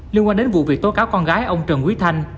liên quan đến vụ việc tố cáo con gái ông trần quý thanh